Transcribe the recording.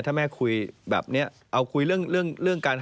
ถ้าแม่คุยแบบนี้เอาคุยเรื่องการ